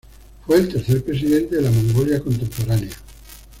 Fue el tercer presidente de la Mongolia contemporánea.